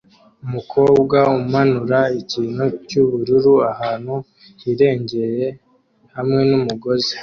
Umukobwa umanura ikintu cyubururu ahantu hirengeye hamwe nu mugozi